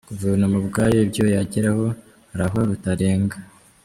Guverinoma ubwayo ibyo yageraho hari aho bitarenga.